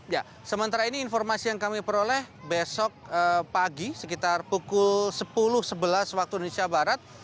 ya sementara ini informasi yang kami peroleh besok pagi sekitar pukul sepuluh sebelas waktu indonesia barat